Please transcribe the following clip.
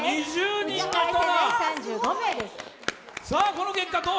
この結果どう？